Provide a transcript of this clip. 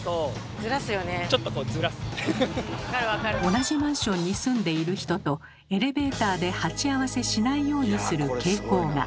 同じマンションに住んでいる人とエレベーターで鉢合わせしないようにする傾向が。